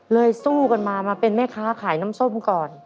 สู้กันมามาเป็นแม่ค้าขายน้ำส้มก่อน